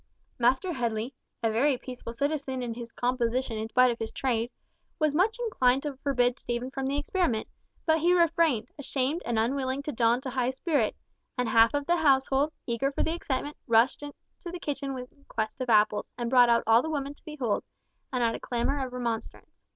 Master Headley, a very peaceful citizen in his composition in spite of his trade, was much inclined to forbid Stephen from the experiment, but he refrained, ashamed and unwilling to daunt a high spirit; and half the household, eager for the excitement, rushed to the kitchen in quest of apples, and brought out all the women to behold, and add a clamour of remonstrance.